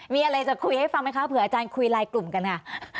มีอะไรจะคุยให้ฟังไหมคะเผื่ออาจารย์คุยไลน์กลุ่มกันค่ะ